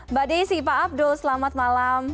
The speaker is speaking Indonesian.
mbak desi pak abdul selamat malam